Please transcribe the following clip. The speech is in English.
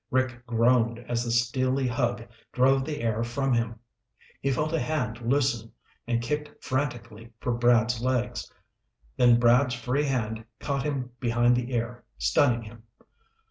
Rick groaned as the steely hug drove the air from him; he felt a hand loosen, and kicked frantically for Brad's legs, then Brad's free hand caught him behind the ear, stunning him.